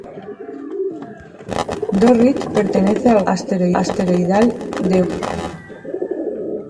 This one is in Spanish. Dorrit pertenece al grupo asteroidal de Hungaria.